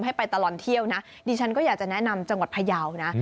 ให้ไปตลอดเที่ยวนะดิฉันก็อยากจะแนะนำจังหวัดพยาวนะ